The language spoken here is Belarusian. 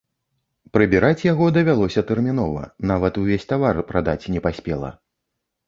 Прыбіраць яго давялося тэрмінова, нават увесь тавар прадаць не паспела.